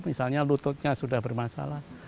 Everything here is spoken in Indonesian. misalnya lututnya sudah bermasalah